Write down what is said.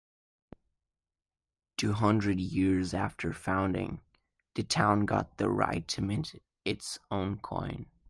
Two hundred years after founding, the town got the right to mint its own coin.